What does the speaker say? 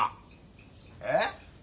えっ？